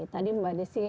tadi mbak desi menyebutnya